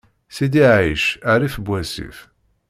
Sidi Ɛic rrif n wassif.